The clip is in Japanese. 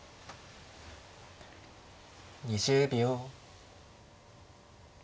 ２０秒。